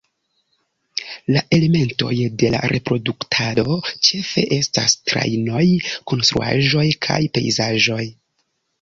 La elementoj de la reproduktado ĉefe estas trajnoj, konstruaĵoj kaj pejzaĝoj.